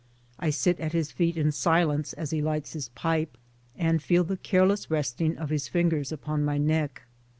I sit at his feet in silence as he lights his pipe, and feel the careless resting of his fingers upon my neck.